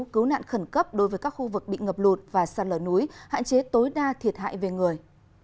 cứu nạn khẩn cấp đối với các khu vực bị ngập lụt và sạt lở núi hạn chế tối đa thiệt hại về người